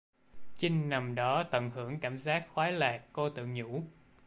Chinh nằm đó tận hưởng cảm giác khoái lạc cô tự nhủ